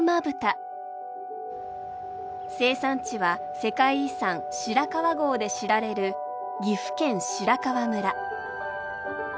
生産地は世界遺産白川郷で知られる岐阜県白川村。